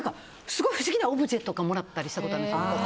すごい不思議なオブジェとかもらったりしたことあります。